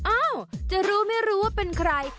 อ้าวจะรู้ไม่รู้ว่าเป็นใคร